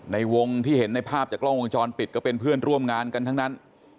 ในวงที่เห็นในภาพจากกล้องวงจรปิดก็เป็นเพื่อนร่วมงานกันทั้งนั้น